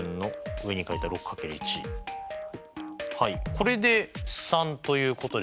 これで３ということでしょうか。